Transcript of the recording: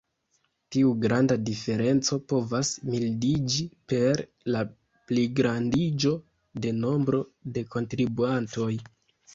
Tiu granda diferenco povas mildiĝi per la pligrandiĝo de nombro de kontribuantoj.